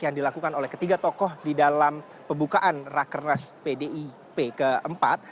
yang dilakukan oleh ketiga tokoh di dalam pembukaan rakernas pdip keempat